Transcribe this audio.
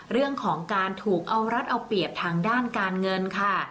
เรื่องของการถูกเอารัดเอาเปรียบทางด้านการเงินค่ะ